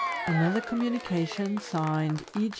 Another communication, signed UE.